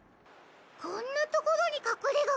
こんなところにかくれがが。